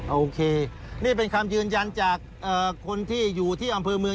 โอเคนี่เป็นคำยืนยันจากคนที่อยู่ที่อำเภอเมือง